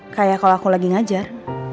kayak kalau aku lagi ngajar